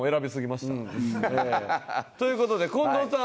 という事で近藤さん。